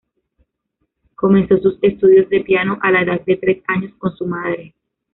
Comenzó sus estudios de piano a la edad de tres años con su madre.